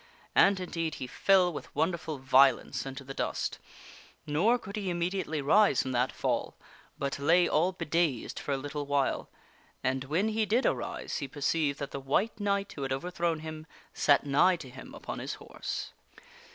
And indeed he fell with wonderful violence into the dust. Nor could he immediately rise from that fall, but lay all bedazed for a little while. And when he did arise, he perceived that the white knight who had overthrown him sat nigh to him upon his horse.